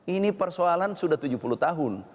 ini persoalan sudah tujuh puluh tahun